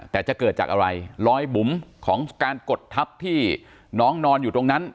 แต่จะเกิดจากอะไรรอยบุ๋มของการกดทับที่น้องนอนอยู่ตรงนั้น